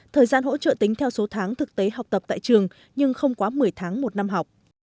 thời gian hỗ trợ tính theo số tháng thực tế học tập tại trường nhưng không quá một mươi tháng một năm học